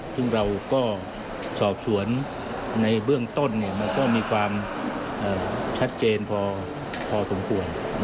ซึ่งเราก็สอบสวนในเบื้องต้นมันก็มีความชัดเจนพอสมควร